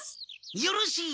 よろしい！